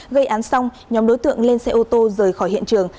gây án xong nhóm đối tượng lên xe ô tô rời khỏi hiện trường